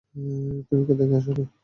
তুই কোত্থেকে আসলি?